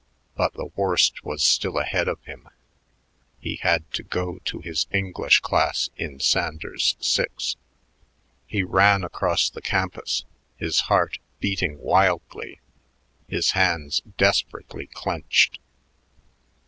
But the worst was still ahead of him. He had to go to his English class in Sanders 6. He ran across the campus, his heart beating wildly, his hands desperately clenched.